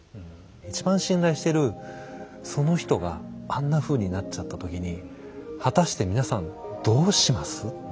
一番信頼してるその人があんなふうになっちゃった時に果たして皆さんどうします？っていう。